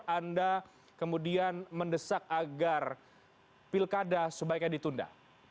anda kemudian mendesak agar pilkada sebaiknya ditunda